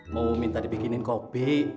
mau minta dibikinin kopi